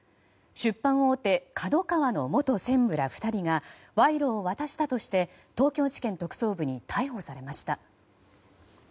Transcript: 出版大手ＫＡＤＯＫＡＷＡの元専務ら２人が賄賂を渡したとして東京地検特捜部に逮捕されました。